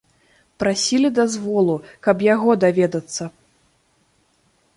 Прасілі дазволу, каб яго даведацца.